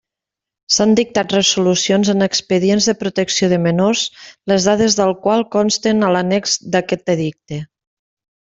S'han dictat resolucions en expedient de protecció de menors les dades del qual consten a l'annex d'aquest Edicte.